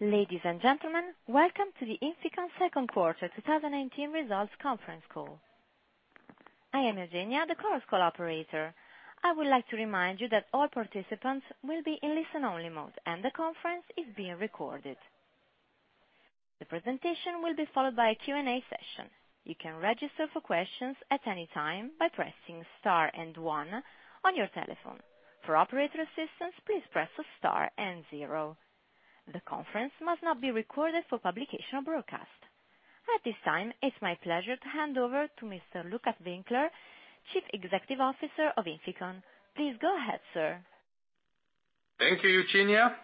Ladies and gentlemen, welcome to the INFICON Second Quarter 2019 Results Conference Call. I am Eugenia, the conference call operator. I would like to remind you that all participants will be in listen-only mode, and the conference is being recorded. The presentation will be followed by a Q&A session. You can register for questions at any time by pressing star and One on your telephone. For operator assistance, please press star and zero. The conference must not be recorded for publication or broadcast. At this time, it's my pleasure to hand over to Mr. Lukas Winkler, Chief Executive Officer of INFICON. Please go ahead, sir. Thank you, Eugenia.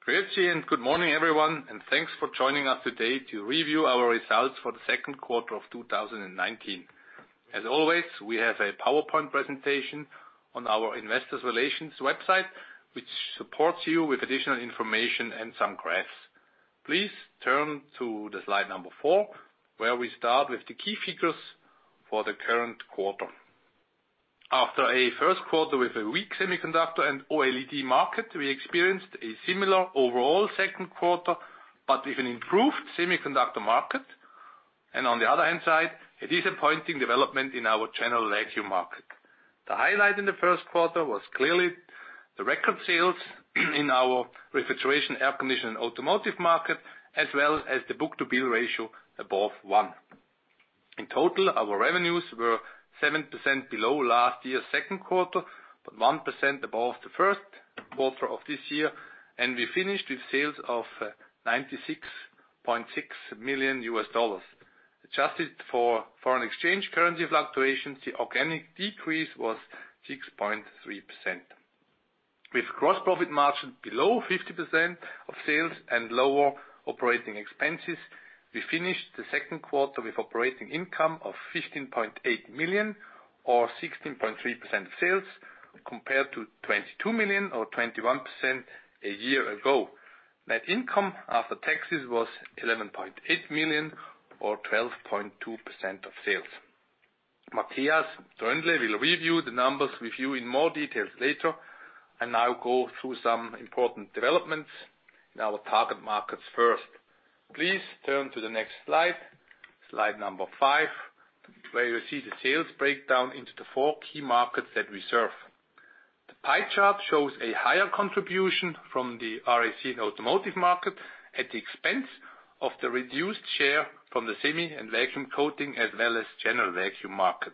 Greetings, good morning, everyone, and thanks for joining us today to review our results for the second quarter of 2019. As always, we have a PowerPoint presentation on our investor relations website, which supports you with additional information and some graphs. Please turn to the slide number four, where we start with the key figures for the current quarter. After a first quarter with a weak semiconductor and OLED market, we experienced a similar overall second quarter, but with an improved semiconductor market, and on the other hand side, a disappointing development in our general vacuum market. The highlight in the first quarter was clearly the record sales in our refrigeration, air condition, and automotive market, as well as the book-to-bill ratio above one. In total, our revenues were 7% below last year's second quarter, but 1% above the first quarter of this year. We finished with sales of $96.6 million. Adjusted for foreign exchange currency fluctuations, the organic decrease was 6.3%. With gross profit margin below 50% of sales and lower operating expenses, we finished the second quarter with operating income of $15.8 million or 16.3% sales, compared to $22 million or 21% a year ago. Net income after taxes was $11.8 million or 12.2% of sales. Matthias Troendle will review the numbers with you in more details later, and I'll go through some important developments in our target markets first. Please turn to the next slide number five, where you see the sales breakdown into the four key markets that we serve. The pie chart shows a higher contribution from the RAC and automotive market at the expense of the reduced share from the semi and vacuum coating, as well as general vacuum market.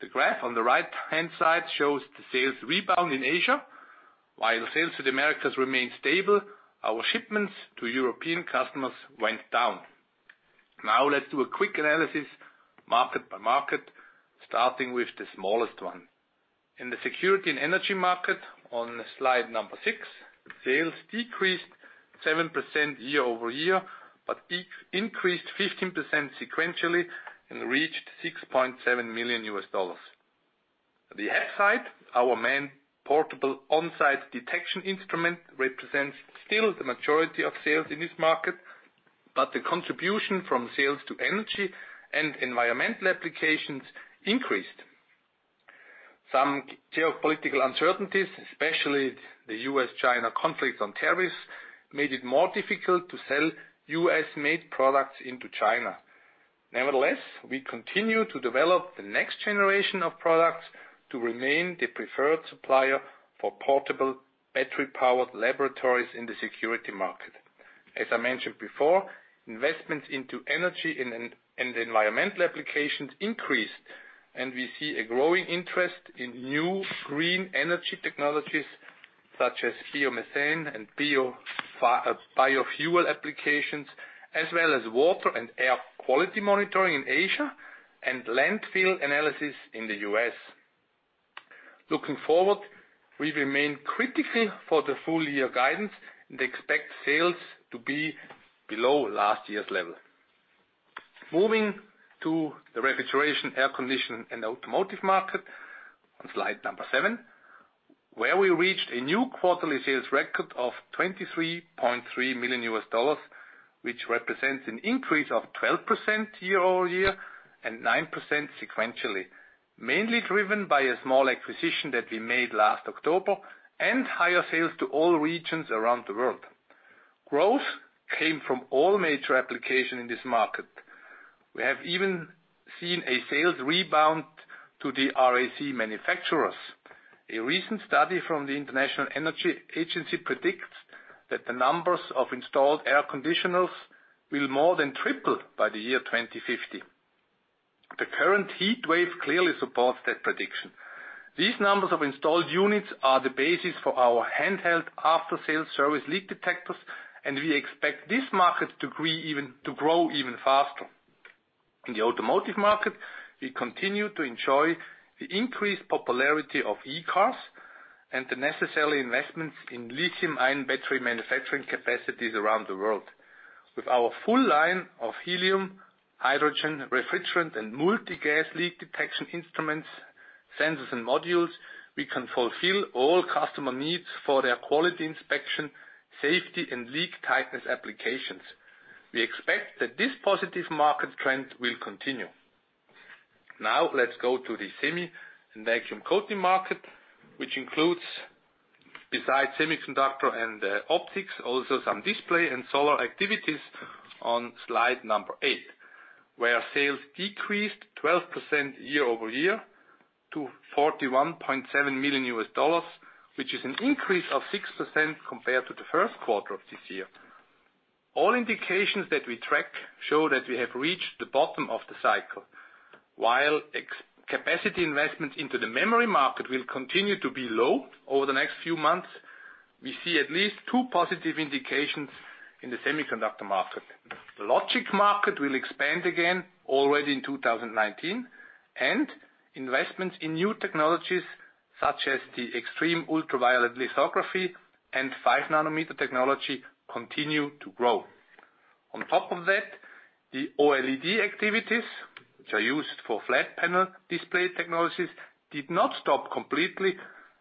The graph on the right-hand side shows the sales rebound in Asia. While sales to the Americas remain stable, our shipments to European customers went down. Let's do a quick analysis market by market, starting with the smallest one. In the security and energy market on slide number six, sales decreased 7% year-over-year, but increased 15% sequentially and reached $6.7 million. The HAPSITE, our main portable on-site detection instrument, represents still the majority of sales in this market, but the contribution from sales to energy and environmental applications increased. Some geopolitical uncertainties, especially the U.S.-China conflict on tariffs, made it more difficult to sell U.S.-made products into China. Nevertheless, we continue to develop the next generation of products to remain the preferred supplier for portable battery-powered laboratories in the security market. As I mentioned before, investments into energy and environmental applications increased, and we see a growing interest in new green energy technologies such as biomethane and biofuel applications, as well as water and air quality monitoring in Asia and landfill analysis in the U.S. Looking forward, we remain critical for the full year guidance and expect sales to be below last year's level. Moving to the refrigeration, air condition, and automotive market on slide number seven, where we reached a new quarterly sales record of $23.3 million, which represents an increase of 12% year-over-year and 9% sequentially, mainly driven by a small acquisition that we made last October and higher sales to all regions around the world. Growth came from all major application in this market. We have even seen a sales rebound to the RAC manufacturers. A recent study from the International Energy Agency predicts that the numbers of installed air conditioners will more than triple by the year 2050. The current heat wave clearly supports that prediction. These numbers of installed units are the basis for our handheld after-sales service leak detectors, and we expect this market to grow even faster. In the automotive market, we continue to enjoy the increased popularity of e-cars and the necessary investments in lithium-ion battery manufacturing capacities around the world. With our full line of helium, hydrogen, refrigerant, and multi-gas leak detection instruments, sensors, and modules, we can fulfill all customer needs for their quality inspection, safety, and leak tightness applications. We expect that this positive market trend will continue. Now let's go to the semi and vacuum coating market, which includes, besides semiconductor and optics, also some display and solar activities on slide number eight, where sales decreased 12% year-over-year to $41.7 million, which is an increase of 6% compared to the first quarter of this year. All indications that we track show that we have reached the bottom of the cycle. While capacity investment into the memory market will continue to be low over the next few months, we see at least two positive indications in the semiconductor market. The logic market will expand again already in 2019, and investments in new technologies such as the extreme ultraviolet lithography and 5 nanometer technology continue to grow. On top of that, the OLED activities, which are used for flat panel display technologies, did not stop completely,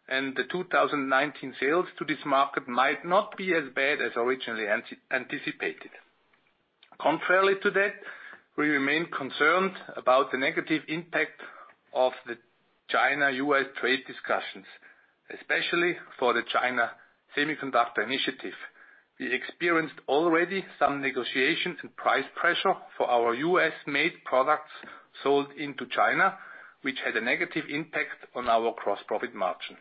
and the 2019 sales to this market might not be as bad as originally anticipated. Contrary to that, we remain concerned about the negative impact of the China-U.S. trade discussions, especially for the China Semiconductor Initiative. We experienced already some negotiation and price pressure for our U.S.-made products sold into China, which had a negative impact on our gross profit margin.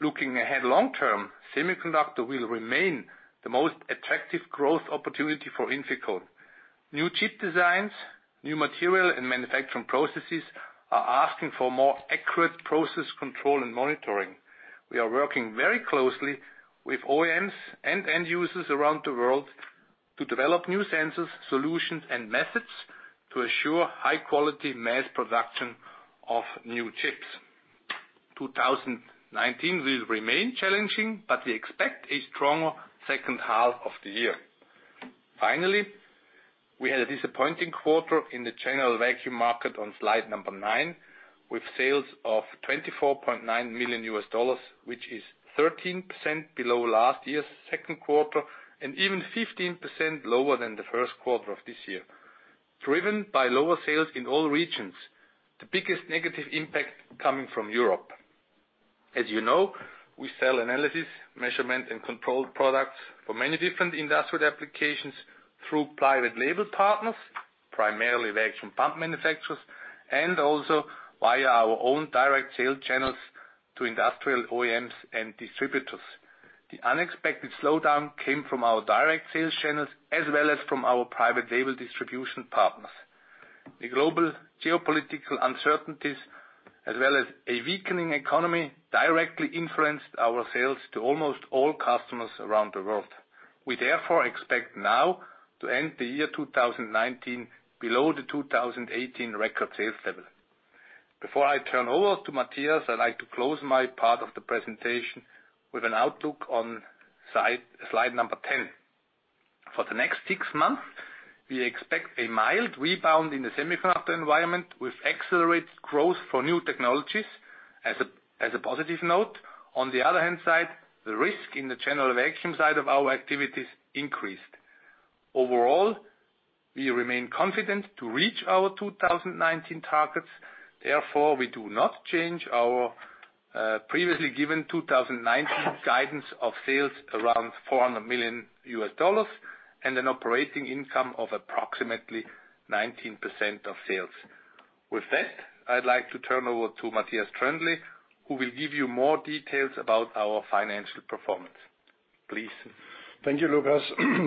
Looking ahead long term, semiconductor will remain the most attractive growth opportunity for INFICON. New chip designs, new material and manufacturing processes are asking for more accurate process control and monitoring. We are working very closely with OEMs and end users around the world to develop new sensors, solutions, and methods to assure high quality mass production of new chips. 2019 will remain challenging, but we expect a stronger second half of the year. Finally, we had a disappointing quarter in the general vacuum market on slide number nine, with sales of $24.9 million, which is 13% below last year's second quarter, and even 15% lower than the first quarter of this year, driven by lower sales in all regions, the biggest negative impact coming from Europe. As you know, we sell analysis, measurement, and control products for many different industrial applications through private label partners, primarily vacuum pump manufacturers, and also via our own direct sales channels to industrial OEMs and distributors. The unexpected slowdown came from our direct sales channels as well as from our private label distribution partners. The global geopolitical uncertainties, as well as a weakening economy, directly influenced our sales to almost all customers around the world. We therefore expect now to end the year 2019 below the 2018 record sales level. Before I turn over to Matthias, I'd like to close my part of the presentation with an outlook on slide number 10. For the next six months, we expect a mild rebound in the semiconductor environment with accelerated growth for new technologies as a positive note. On the other hand side, the risk in the general vacuum side of our activities increased. Overall, we remain confident to reach our 2019 targets. We do not change our previously given 2019 guidance of sales around $400 million US and an operating income of approximately 19% of sales. With that, I'd like to turn over to Matthias Troendle, who will give you more details about our financial performance. Please. Thank you, Lukas.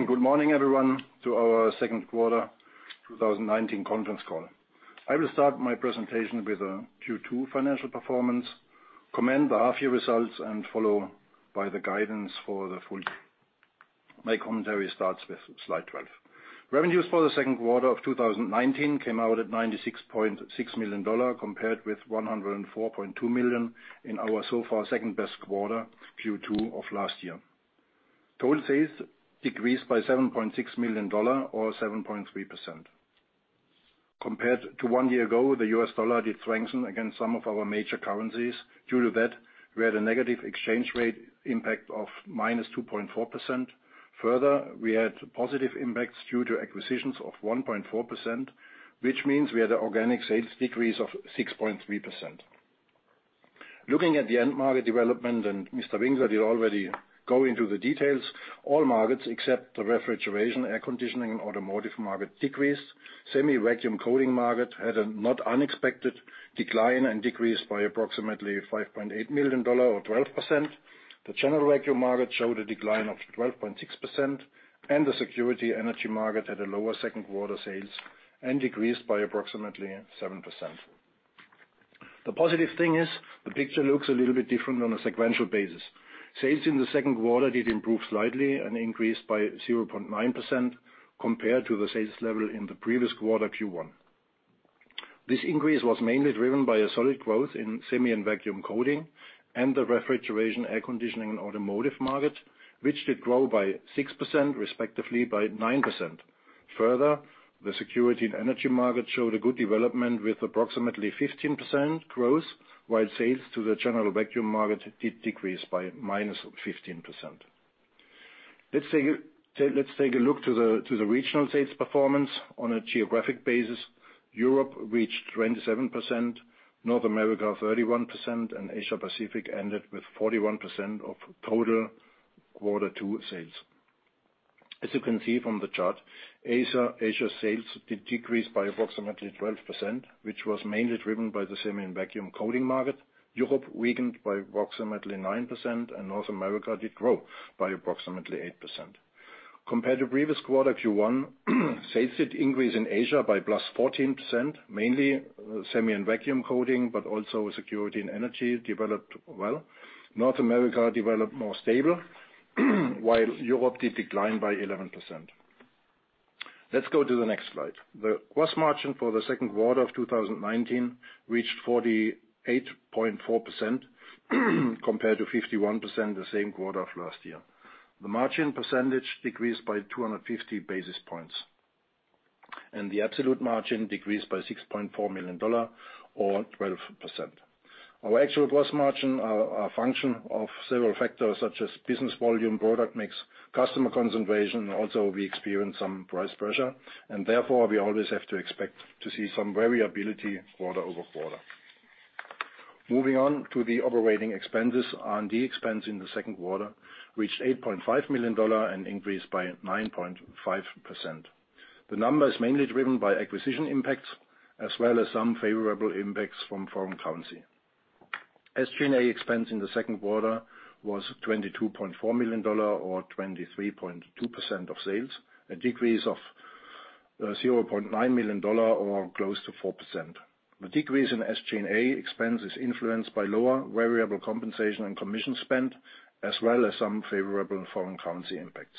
Good morning, everyone, to our second quarter 2019 conference call. I will start my presentation with the Q2 financial performance, comment the half-year results, and follow by the guidance for the full year. My commentary starts with slide 12. Revenues for the second quarter of 2019 came out at $96.6 million, compared with $104.2 million in our so far second best quarter, Q2 of last year. Total sales decreased by $7.6 million or 7.3%. Compared to one year ago, the U.S. dollar did strengthen against some of our major currencies. Due to that, we had a negative exchange rate impact of -2.4%. Further, we had positive impacts due to acquisitions of 1.4%, which means we had an organic sales decrease of 6.3%. Looking at the end market development, and Mr. Winkler did already go into the details, all markets except the refrigeration, air conditioning, and automotive market decreased. Semi vacuum coating market had a not unexpected decline and decreased by approximately $5.8 million or 12%. The general vacuum market showed a decline of 12.6%, and the security energy market had a lower second quarter sales and decreased by approximately 7%. The positive thing is the picture looks a little bit different on a sequential basis. Sales in the second quarter did improve slightly and increased by 0.9% compared to the sales level in the previous quarter, Q1. This increase was mainly driven by a solid growth in semi and vacuum coating and the refrigeration, air conditioning, and automotive market, which did grow by 6%, respectively by 9%. Further, the security and energy market showed a good development with approximately 15% growth, while sales to the general vacuum market did decrease by -15%. Let's take a look to the regional sales performance on a geographic basis. Europe reached 27%, North America 31%, and Asia Pacific ended with 41% of total quarter two sales. As you can see from the chart, Asia sales did decrease by approximately 12%, which was mainly driven by the semi and vacuum coating market. Europe weakened by approximately 9%, and North America did grow by approximately 8%. Compared to previous quarter Q1 sales did increase in Asia by plus 14%, mainly semi and vacuum coating, but also security and energy developed well. North America developed more stable while Europe did decline by 11%. Let's go to the next slide. The gross margin for the second quarter of 2019 reached 48.4% compared to 51% the same quarter of last year. The margin percentage decreased by 250 basis points, and the absolute margin decreased by $6.4 million or 12%. Our actual gross margin are a function of several factors such as business volume, product mix, customer concentration. Also, we experienced some price pressure, and therefore, we always have to expect to see some variability quarter-over-quarter. Moving on to the operating expenses. R&D expense in the second quarter reached $8.5 million and increased by 9.5%. The number is mainly driven by acquisition impacts as well as some favorable impacts from foreign currency. SG&A expense in the second quarter was $22.4 million or 23.2% of sales, a decrease of $0.9 million or close to 4%. The decrease in SG&A expense is influenced by lower variable compensation and commission spend as well as some favorable foreign currency impacts.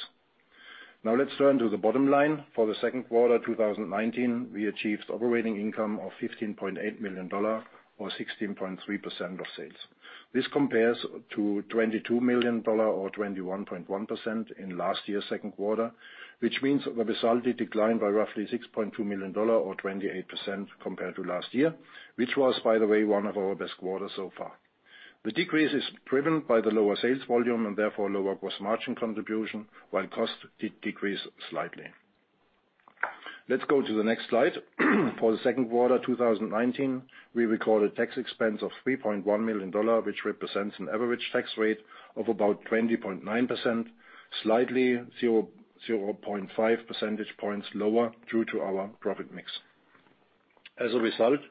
Let's turn to the bottom line. For the second quarter 2019, we achieved operating income of $15.8 million or 16.3% of sales. This compares to $22 million or 21.1% in last year's second quarter, which means the result did decline by roughly $6.2 million or 28% compared to last year, which was, by the way, one of our best quarters so far. The decrease is driven by the lower sales volume and therefore lower gross margin contribution, while cost did decrease slightly. Let's go to the next slide. For the second quarter 2019, we recorded tax expense of $3.1 million, which represents an average tax rate of about 20.9%, slightly 0.5 percentage points lower due to our profit mix. As a result,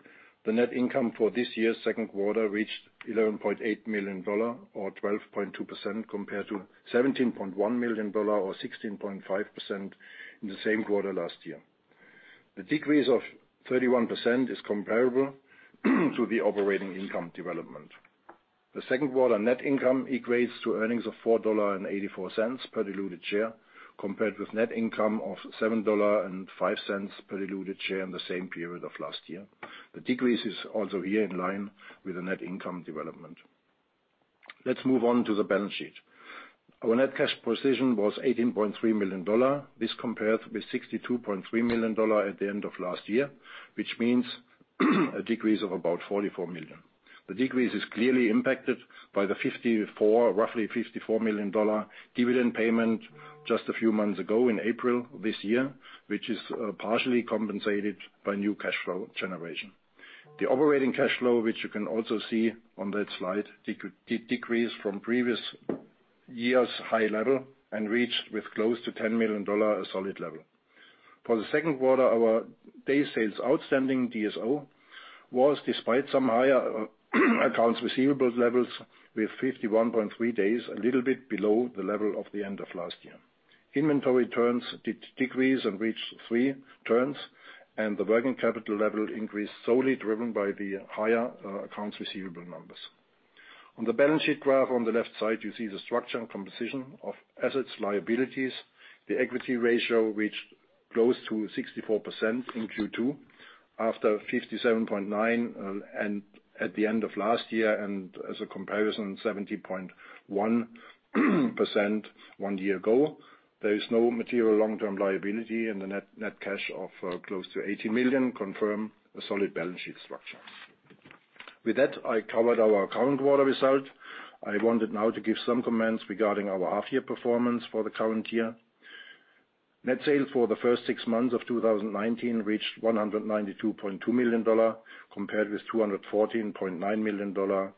the net income for this year's second quarter reached $11.8 million or 12.2% compared to $17.1 million or 16.5% in the same quarter last year. The decrease of 31% is comparable to the operating income development. The second quarter net income equates to earnings of $4.84 per diluted share compared with net income of $7.05 per diluted share in the same period of last year. The decrease is also here in line with the net income development. Let's move on to the balance sheet. Our net cash position was $18.3 million. This compares with $62.3 million at the end of last year, which means a decrease of about $44 million. The decrease is clearly impacted by the roughly $54 million dividend payment just a few months ago in April this year, which is partially compensated by new cash flow generation. The operating cash flow, which you can also see on that slide, did decrease from previous year's high level and reached with close to $10 million a solid level. For the second quarter our day sales outstanding DSO was despite some higher accounts receivable levels with 51.3 days a little bit below the level of the end of last year. Inventory turns did decrease and reached three turns. The working capital level increased solely driven by the higher accounts receivable numbers. On the balance sheet graph on the left side you see the structure and composition of assets, liabilities. The equity ratio reached close to 64% in Q2 after 57.9 at the end of last year. As a comparison, 70.1% one year ago. There is no material long-term liability. The net cash of close to $18 million confirm a solid balance sheet structure. With that I covered our current quarter result. I wanted now to give some comments regarding our half year performance for the current year. Net sales for the first six months of 2019 reached $192.2 million compared with $214.9 million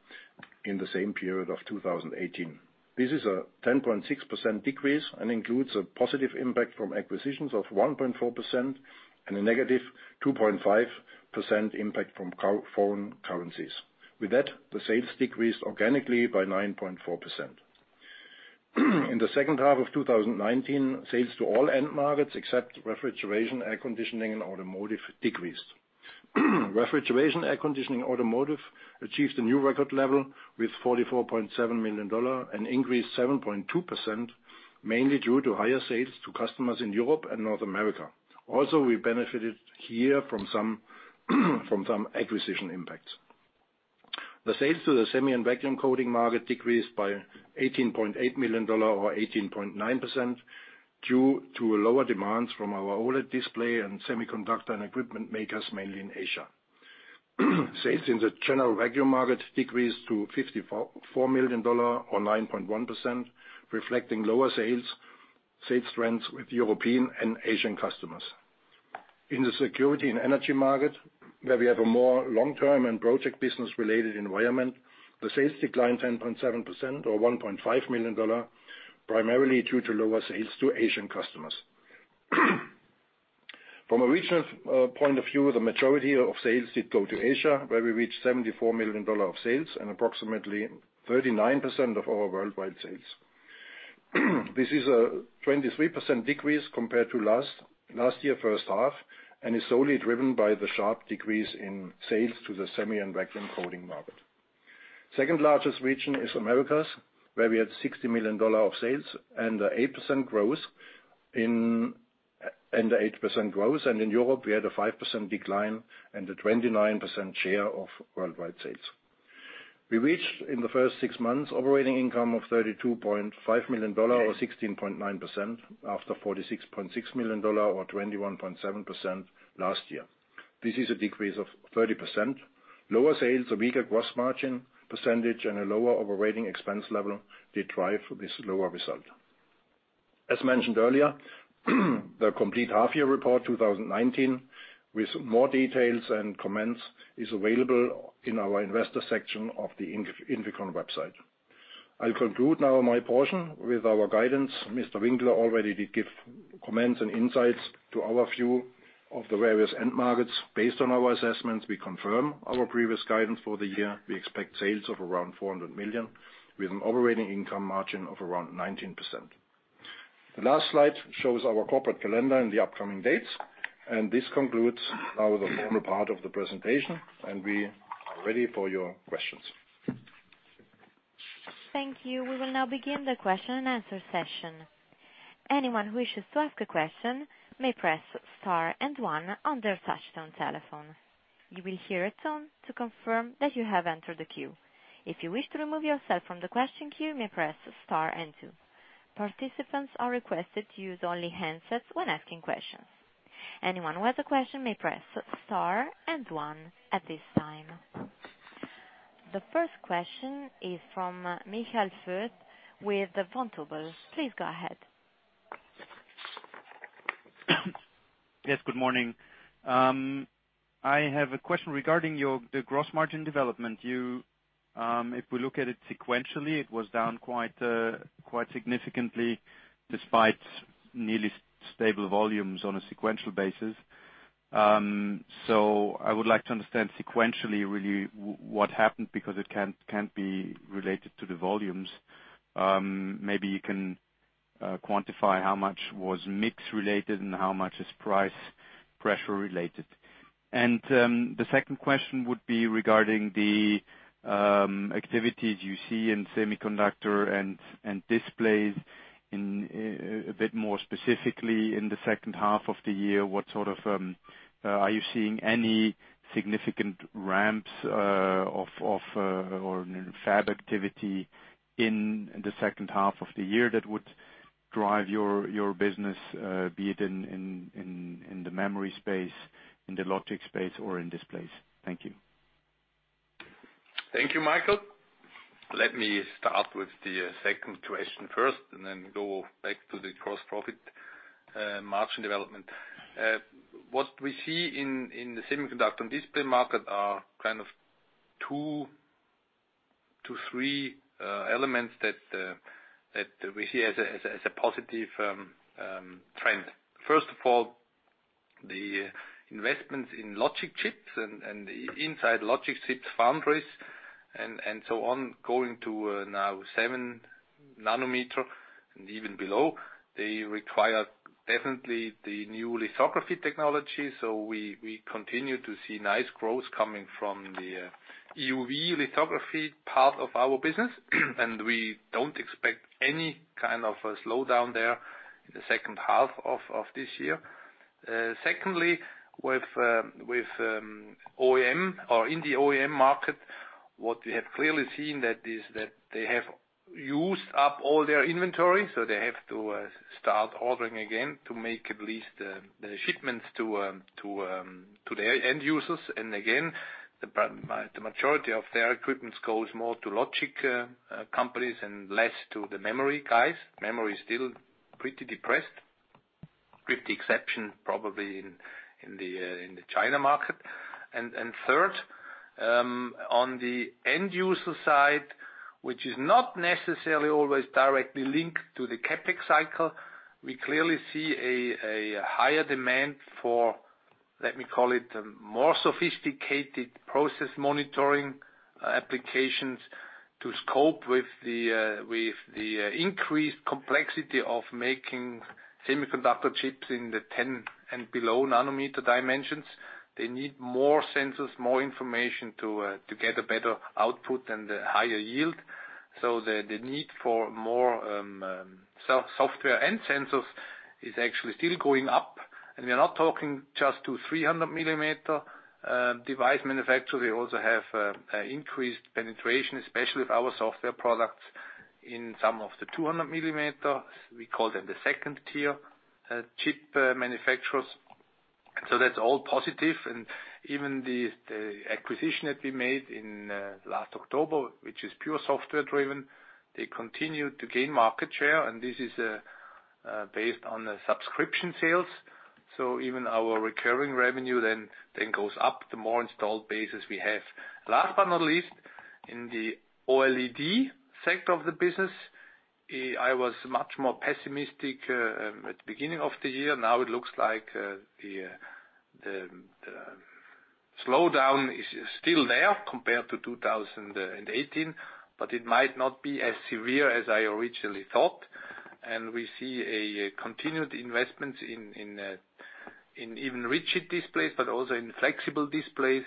in the same period of 2018. This is a 10.6% decrease and includes a positive impact from acquisitions of 1.4% and a negative 2.5% impact from foreign currencies. With that the sales decreased organically by 9.4%. In the second half of 2019 sales to all end markets except refrigeration, air conditioning and automotive decreased. Refrigeration, air conditioning, automotive achieved a new record level with $44.7 million and increased 7.2% mainly due to higher sales to customers in Europe and North America. We benefited here from some acquisition impacts. The sales to the semi and vacuum coating market decreased by $18.8 million or 18.9% due to lower demands from our OLED display and semiconductor and equipment makers mainly in Asia. Sales in the general vacuum market decreased to $54 million or 9.1%, reflecting lower sales trends with European and Asian customers. In the security and energy market, where we have a more long-term and project business related environment, the sales declined 10.7% or $1.5 million, primarily due to lower sales to Asian customers. From a regional point of view, the majority of sales did go to Asia, where we reached $74 million of sales and approximately 39% of our worldwide sales. This is a 23% decrease compared to last year first half, and is solely driven by the sharp decrease in sales to the semi and vacuum coating market. Second largest region is Americas, where we had $60 million of sales and 8% growth. In Europe, we had a 5% decline and a 29% share of worldwide sales. We reached, in the first six months, operating income of $32.5 million or 16.9% after $46.6 million or 21.7% last year. This is a decrease of 30%. Lower sales, a weaker gross margin percentage, and a lower operating expense level did drive this lower result. As mentioned earlier, the complete half year report 2019, with more details and comments, is available in our investor section of the INFICON website. I'll conclude now my portion with our guidance. Mr. Winkler already did give comments and insights to our view of the various end markets. Based on our assessments, we confirm our previous guidance for the year. We expect sales of around $400 million, with an operating income margin of around 19%. The last slide shows our corporate calendar and the upcoming dates, and this concludes now the formal part of the presentation, and we are ready for your questions. Thank you. We will now begin the question and answer session. Anyone who wishes to ask a question may press star and one on their touchtone telephone. You will hear a tone to confirm that you have entered the queue. If you wish to remove yourself from the question queue, you may press star and two. Participants are requested to use only handsets when asking questions. Anyone who has a question may press Star and One at this time. The first question is from Michael Foeth with Vontobel. Please go ahead. Yes, good morning. I have a question regarding the gross margin development. If we look at it sequentially, it was down quite significantly, despite nearly stable volumes on a sequential basis. I would like to understand sequentially, really what happened, because it can't be related to the volumes. Maybe you can quantify how much was mix related and how much is price pressure related. The second question would be regarding the activities you see in semiconductor and displays, a bit more specifically in the second half of the year. Are you seeing any significant ramps or fab activity in the second half of the year that would drive your business, be it in the memory space, in the logic space or in displays? Thank you. Thank you, Michael. Let me start with the second question first and then go back to the gross profit margin development. What we see in the semiconductor and display market are two to three elements that we see as a positive trend. First of all, the investments in logic chips and inside logic chips foundries and so on, going to now seven nanometer and even below. They require definitely the new lithography technology. We continue to see nice growth coming from the EUV lithography part of our business. We don't expect any kind of a slowdown there in the second half of this year. Secondly, in the OEM market, what we have clearly seen that they have used up all their inventory, so they have to start ordering again to make at least the shipments to their end users. Again, the majority of their equipment goes more to logic companies and less to the memory guys. Memory is still pretty depressed, with the exception probably in the China market. Third, on the end user side, which is not necessarily always directly linked to the CapEx cycle, we clearly see a higher demand for, let me call it, more sophisticated process monitoring applications to cope with the increased complexity of making semiconductor chips in the 10 and below nanometer dimensions. They need more sensors, more information to get a better output and a higher yield. The need for more software and sensors is actually still going up. We are not talking just to 300-millimeter device manufacturer. We also have increased penetration, especially with our software products In some of the 200 millimeter, we call them the second-tier chip manufacturers. That's all positive. Even the acquisition that we made in last October, which is pure software driven, they continue to gain market share, and this is based on the subscription sales. Even our recurring revenue then goes up, the more installed bases we have. Last but not least, in the OLED sector of the business, I was much more pessimistic at the beginning of the year. It looks like the slowdown is still there compared to 2018, but it might not be as severe as I originally thought. We see a continued investment in even rigid displays, but also in flexible displays,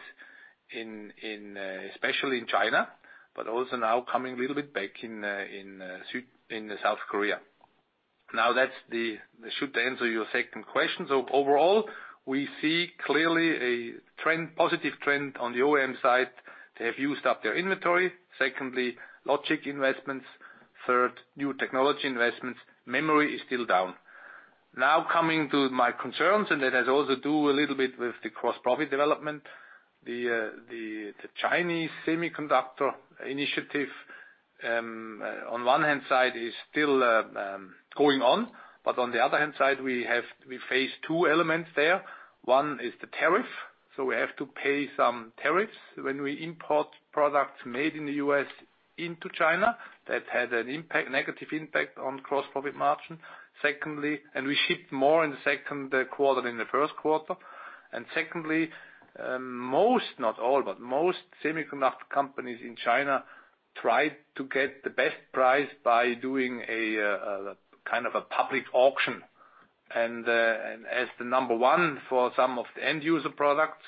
especially in China, but also now coming a little bit back in South Korea. That should answer your second question. Overall, we see clearly a positive trend on the OEM side. They have used up their inventory. Secondly, logic investments. Third, new technology investments. Memory is still down. Coming to my concerns, and that has also to do a little bit with the gross profit development. The China Semiconductor Initiative, on one hand side is still going on, but on the other hand side, we face two elements there. One is the tariff. We have to pay some tariffs when we import products made in the U.S. into China. That had a negative impact on gross profit margin, and we shipped more in the second quarter than the first quarter. Secondly, most, not all, but most semiconductor companies in China tried to get the best price by doing a public auction. As the number one for some of the end user products,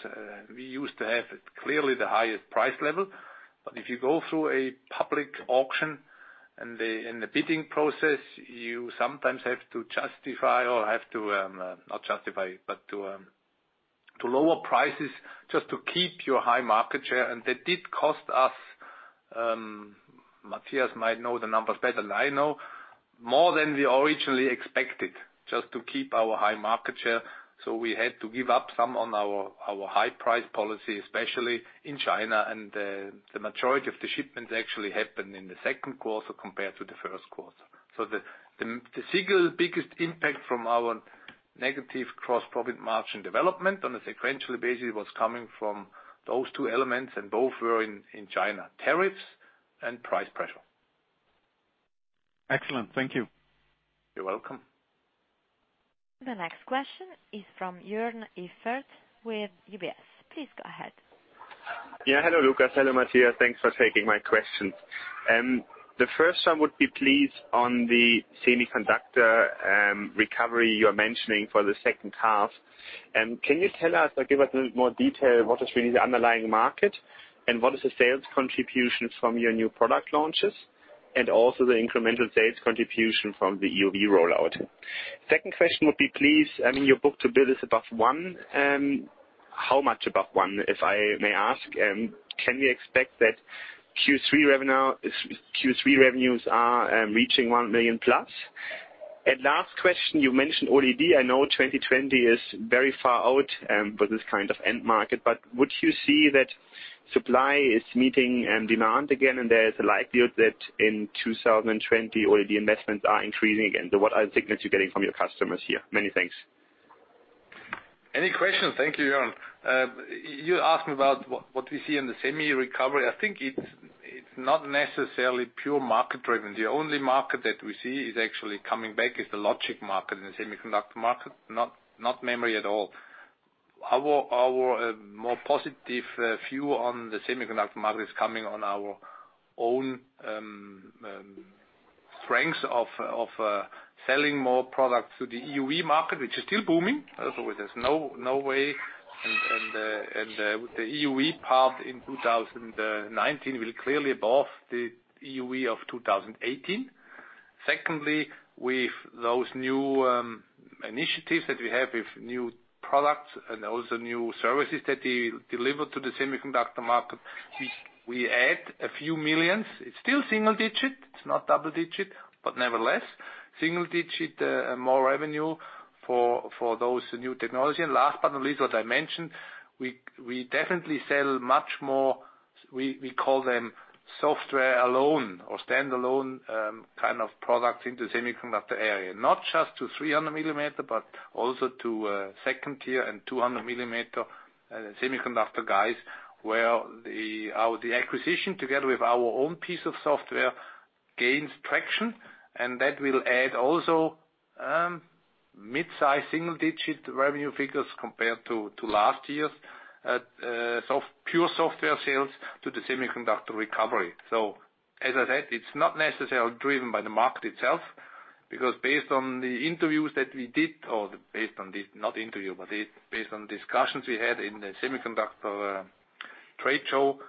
we used to have clearly the highest price level. If you go through a public auction and the bidding process, you sometimes have to justify or lower prices just to keep your high market share. That did cost us, Matthias might know the numbers better than I know, more than we originally expected just to keep our high market share. We had to give up some on our high price policy, especially in China, and the majority of the shipments actually happened in the second quarter compared to the first quarter. The single biggest impact from our negative gross profit margin development on a sequentially basis was coming from those two elements, and both were in China. Tariffs and price pressure. Excellent. Thank you. You're welcome. The next question is from Joern Iffert with UBS. Please go ahead. Yeah. Hello, Lukas. Hello, Matthias. Thanks for taking my questions. The first one would be please on the semiconductor recovery you're mentioning for the second half. Can you tell us or give us a little more detail what is really the underlying market? What is the sales contributions from your new product launches, and also the incremental sales contribution from the EUV rollout? Second question would be, please, I mean, your book-to-bill is above one. How much above one, if I may ask? Can we expect that Q3 revenues are reaching $100 million+? Last question, you mentioned OLED. I know 2020 is very far out for this kind of end market, but would you see that supply is meeting demand again, and there is a likelihood that in 2020, OLED investments are increasing again? What are the signals you're getting from your customers here? Many thanks. Any question. Thank you, Joern. You asked me about what we see in the semi recovery. I think it's not necessarily pure market-driven. The only market that we see is actually coming back is the logic market and the semiconductor market, not memory at all. Our more positive view on the semiconductor market is coming on our own strengths of selling more products to the EUV market, which is still booming. There's no way, the EUV part in 2019 will be clearly above the EUV of 2018. Secondly, with those new initiatives that we have with new products and also new services that we deliver to the semiconductor market, we add a few millions. It's still single digit. It's not double digit, but nevertheless, single digit more revenue for those new technologies. Last but not least, what I mentioned, we definitely sell much more, we call them software alone or standalone kind of products into semiconductor area. Not just to 300 mm, but also to second tier and 200 mm semiconductor guys, where the acquisition together with our own piece of software gains traction, and that will add also mid-size single-digit revenue figures compared to last year's pure software sales to the semiconductor recovery. As I said, it's not necessarily driven by the market itself, because based on the interviews that we did, or based on the, not interview, but based on discussions we had in the semiconductor trade show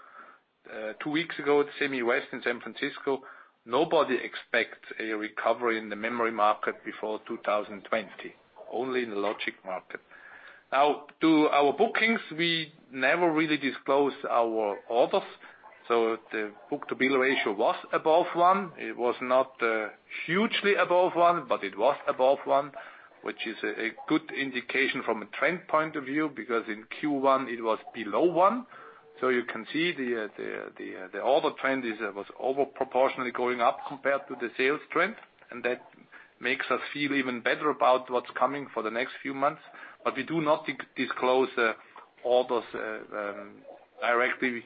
two weeks ago at SEMICON West in San Francisco, nobody expects a recovery in the memory market before 2020. Only in the logic market. Now to our bookings, we never really disclose our orders. The book-to-bill ratio was above one. It was not hugely above one, but it was above one, which is a good indication from a trend point of view, because in Q1 it was below one. You can see the order trend was over proportionally going up compared to the sales trend, and that makes us feel even better about what's coming for the next few months. We do not disclose orders directly,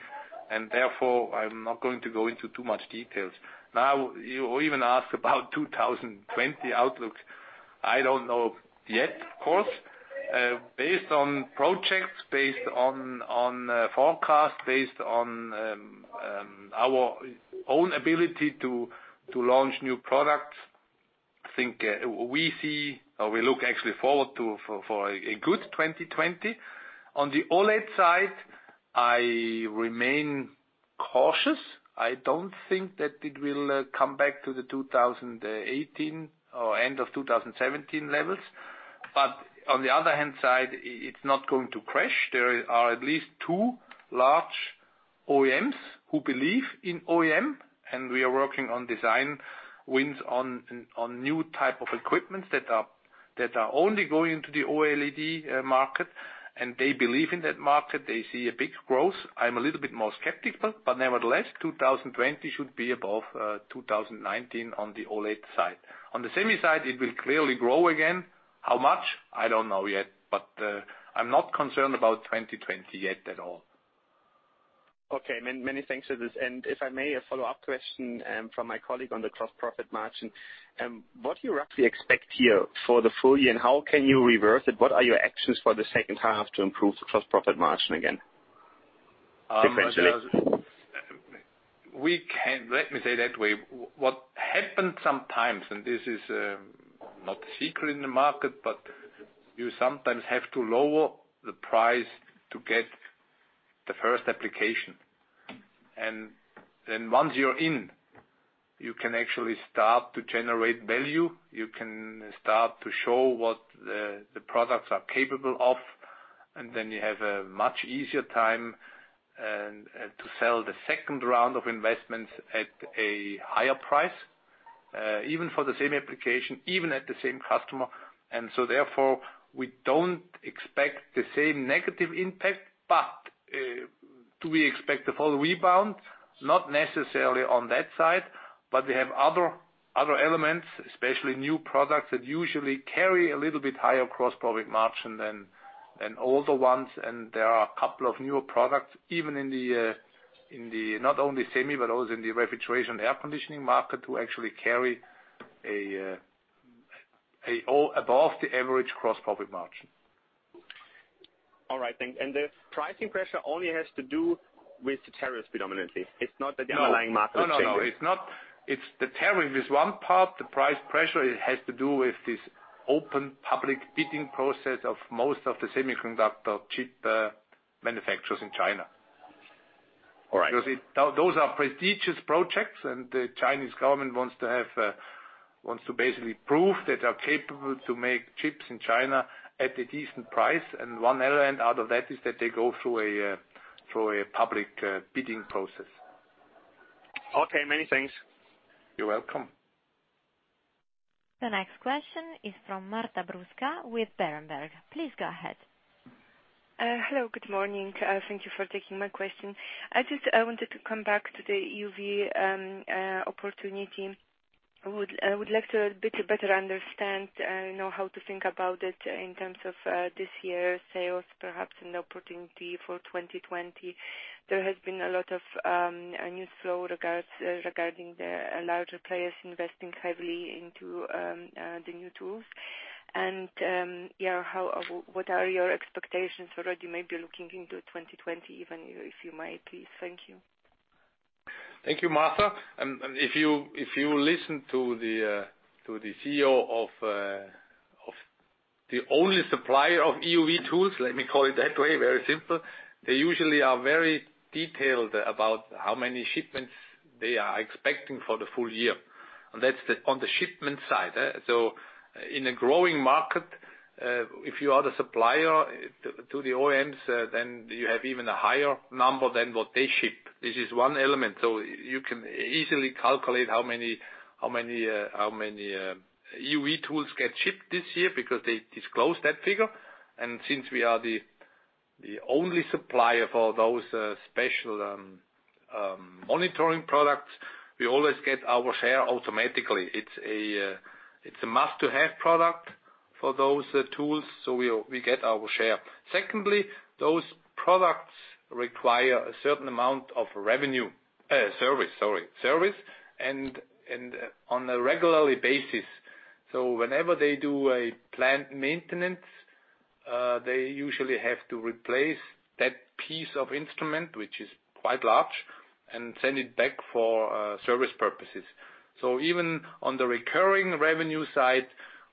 and therefore, I'm not going to go into too much details. You even ask about 2020 outlooks. I don't know yet, of course. Based on projects, based on forecast, based on our own ability to launch new products, I think we look actually forward to for a good 2020. On the OLED side, I remain cautious. I don't think that it will come back to the 2018 or end of 2017 levels. On the other hand side, it's not going to crash. There are at least two large OEMs who believe in OEM, and we are working on design wins on new type of equipment that are only going into the OLED market, and they believe in that market. They see a big growth. I'm a little bit more skeptical, but nevertheless, 2020 should be above 2019 on the OLED side. On the semi side, it will clearly grow again. How much? I don't know yet. I'm not concerned about 2020 yet at all. Okay, many thanks for this. If I may, a follow-up question from my colleague on the gross profit margin. What do you roughly expect here for the full year, and how can you reverse it? What are your actions for the second half to improve the gross profit margin again, sequentially? Let me say that way. What happens sometimes, this is not a secret in the market, you sometimes have to lower the price to get the first application. Once you're in, you can actually start to generate value. You can start to show what the products are capable of, you have a much easier time to sell the second round of investments at a higher price, even for the same application, even at the same customer. Therefore, we don't expect the same negative impact. Do we expect the full rebound? Not necessarily on that side, but we have other elements, especially new products that usually carry a little bit higher gross profit margin than older ones. There are a couple of newer products, even in the, not only semi, but also in the refrigeration air conditioning market to actually carry above the average gross profit margin. All right. The pricing pressure only has to do with the tariffs predominantly? It's not that the underlying market is changing. No, it's the tariff is one part. The price pressure, it has to do with this open public bidding process of most of the semiconductor chip manufacturers in China. All right. Those are prestigious projects, and the Chinese government wants to basically prove that they are capable to make chips in China at a decent price. One element out of that is that they go through a public bidding process. Okay, many thanks. You're welcome. The next question is from Marta Bruska with Berenberg. Please go ahead. Hello, good morning. Thank you for taking my question. I wanted to come back to the EUV opportunity. I would like to better understand how to think about it in terms of this year's sales, perhaps an opportunity for 2020. There has been a lot of news flow regarding the larger players investing heavily into the new tools. What are your expectations already maybe looking into 2020, even if you might, please? Thank you. Thank you, Marta. If you listen to the CEO of the only supplier of EUV tools, let me call it that way, very simple. They usually are very detailed about how many shipments they are expecting for the full year. That's on the shipment side. In a growing market, if you are the supplier to the OEMs, you have even a higher number than what they ship. This is one element. You can easily calculate how many EUV tools get shipped this year because they disclose that figure. Since we are the only supplier for those special monitoring products, we always get our share automatically. It's a must-to-have product for those tools, we get our share. Secondly, those products require a certain amount of service and on a regularly basis. Whenever they do a plant maintenance, they usually have to replace that piece of instrument, which is quite large, and send it back for service purposes. Even on the recurring revenue side,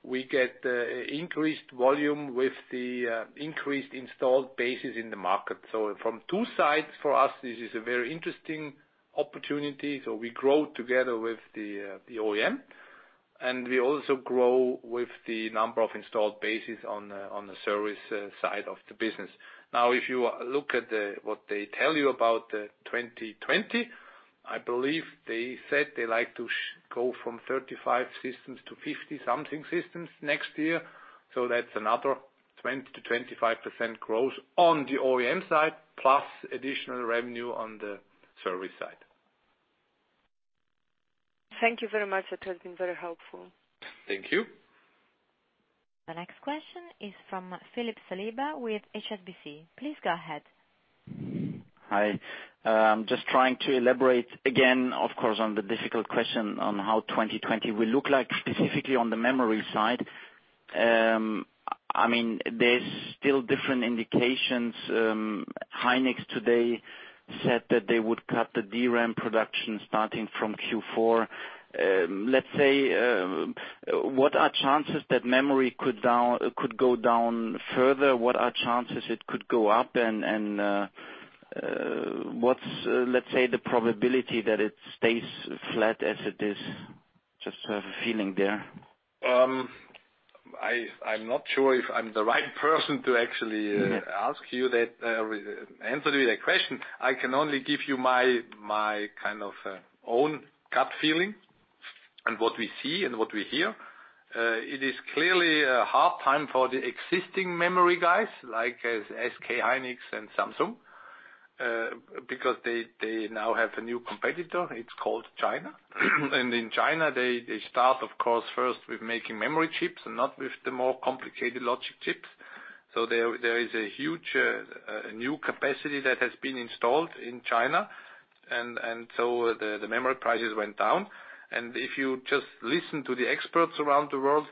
we get increased volume with the increased installed bases in the market. From two sides, for us, this is a very interesting opportunity. We grow together with the OEM. We also grow with the number of installed bases on the service side of the business. Now, if you look at what they tell you about 2020, I believe they said they like to go from 35 systems to 50 something systems next year. That's another 20%-25% growth on the OEM side, plus additional revenue on the service side. Thank you very much. That has been very helpful. Thank you. The next question is from Philip Saliba with HSBC. Please go ahead. Hi. Just trying to elaborate again, of course, on the difficult question on how 2020 will look like specifically on the memory side. There's still different indications. Hynix today said that they would cut the DRAM production starting from Q4. Let's say, what are chances that memory could go down further? What are chances it could go up? What's the probability that it stays flat as it is? Just to have a feeling there. I'm not sure if I'm the right person to actually answer that question. I can only give you my own gut feeling and what we see and what we hear. It is clearly a hard time for the existing memory guys like SK hynix and Samsung, because they now have a new competitor, it's called China. In China, they start, of course, first with making memory chips and not with the more complicated logic chips. There is a huge new capacity that has been installed in China, the memory prices went down. If you just listen to the experts around the world,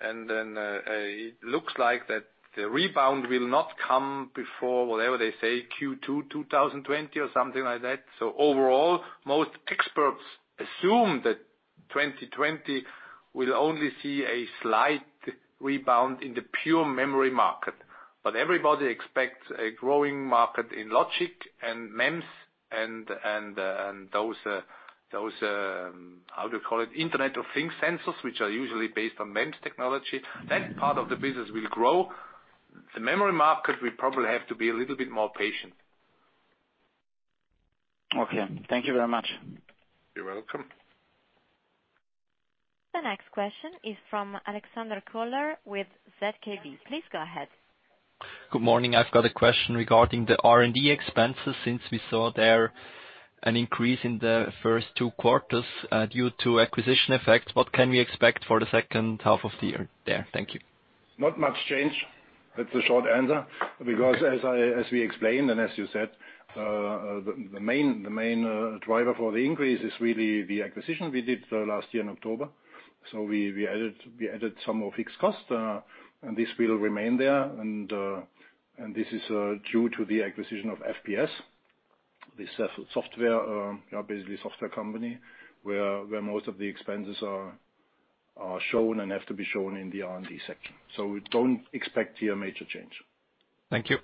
it looks like that the rebound will not come before, whatever they say, Q2 2020 or something like that. Overall, most experts assume that 2020 will only see a slight rebound in the pure memory market. Everybody expects a growing market in logic and MEMS and those, how do you call it, Internet of Things sensors, which are usually based on MEMS technology. That part of the business will grow. The memory market, we probably have to be a little bit more patient. Okay. Thank you very much. You're welcome. The next question is from Alexander Koller with ZKB. Please go ahead. Good morning. I've got a question regarding the R&D expenses, since we saw there an increase in the first two quarters due to acquisition effect. What can we expect for the second half of the year there? Thank you. Not much change. That's the short answer. As we explained, and as you said, the main driver for the increase is really the acquisition we did last year in October. We added some more fixed cost, and this will remain there. This is due to the acquisition of FPS, basically software company, where most of the expenses are shown and have to be shown in the R&D section. We don't expect here major change. Thank you.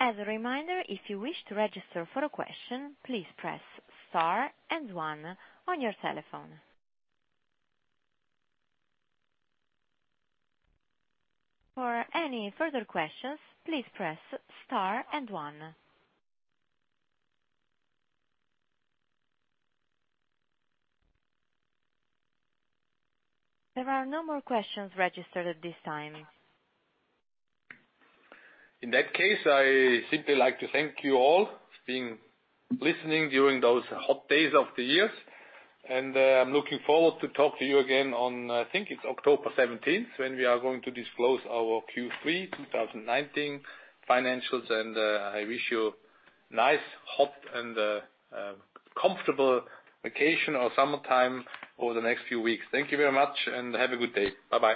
As a reminder, if you wish to register for a question, please press star and one on your telephone. For any further questions, please press star and one. There are no more questions registered at this time. In that case, I simply like to thank you all for being listening during those hot days of the years. I'm looking forward to talk to you again on, I think it's October 17th, when we are going to disclose our Q3 2019 financials, and I wish you nice, hot, and comfortable vacation or summertime over the next few weeks. Thank you very much. Have a good day. Bye-bye.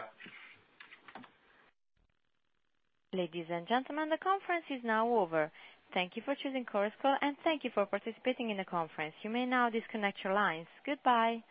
Ladies and gentlemen, the conference is now over. Thank you for choosing Chorus Call, and thank you for participating in the conference. You may now disconnect your lines. Goodbye.